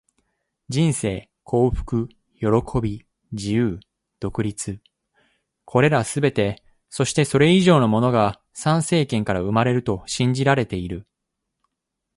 人生、幸福、喜び、自由、独立――これらすべて、そしてそれ以上のものが参政権から生まれると信じられている。